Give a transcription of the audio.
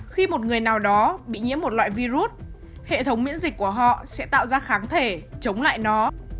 khi một người nào đó bị nhiễm một loại virus hệ thống miễn dịch của họ sẽ tạo ra kháng thể chống lại nó